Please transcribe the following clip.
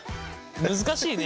難しいね。